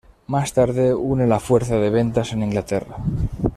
Más tarde una la fuerza de ventas en Inglaterra.